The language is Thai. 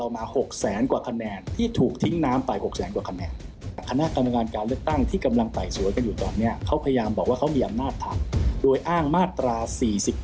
ไม่ใช่ปกป้องส